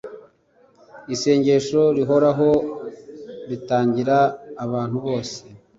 isengesho rihoraho bitangira abantu bose